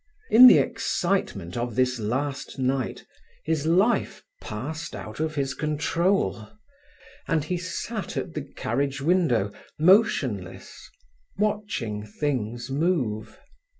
In the excitement of this last night his life passed out of his control, and he sat at the carriage window, motionless, watching things move.